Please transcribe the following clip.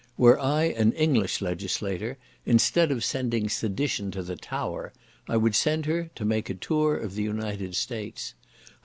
Were I an English legislator, instead of sending sedition to the Tower, I would send her to make a tour of the United States.